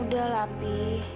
udah lah pi